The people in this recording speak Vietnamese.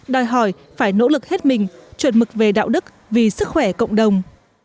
đòi hỏi phải nỗ lực hết mình chuẩn mực về đạo đức vì sức khỏe cộng đồng